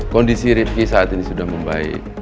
kondisi rifki saat ini sudah membaik